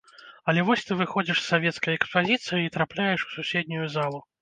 Але вось ты выходзіш з савецкай экспазіцыі і трапляеш у суседнюю залу.